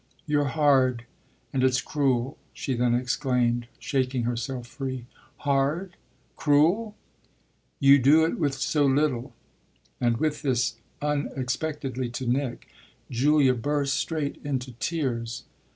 "You're hard, and it's cruel!" she then exclaimed, shaking herself free. "Hard cruel?" "You do it with so little!" And with this, unexpectedly to Nick, Julia burst straight into tears.